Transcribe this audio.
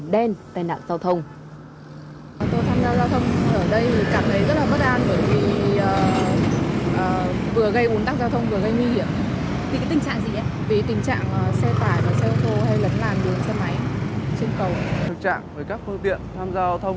đèn tai nạn giao thông